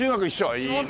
いいねえ。